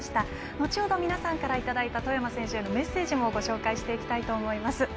後ほど皆さんからいただいた外山選手へのメッセージもご紹介していきたいと思います。